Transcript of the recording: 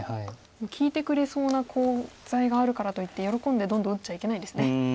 利いてくれそうなコウ材があるからといって喜んでどんどん打っちゃいけないんですね。